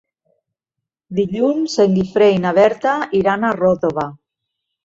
Dilluns en Guifré i na Berta iran a Ròtova.